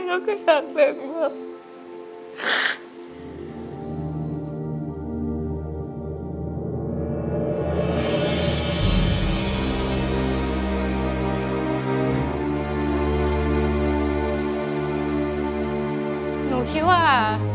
แล้วก็จะเป็นเบา